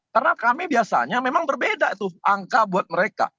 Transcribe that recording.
karena kami biasanya memang berbeda tuh angka buat mereka